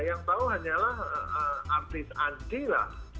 yang tahu hanyalah artis andi lah